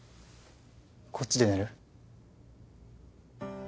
こっちで寝る？